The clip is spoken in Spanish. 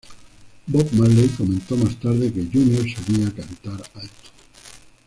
Bob Marley comentó más tarde que ""Junior solía cantar alto.